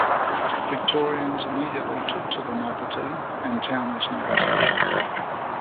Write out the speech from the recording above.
Victorians immediately took to the novelty, and Towne was no exception.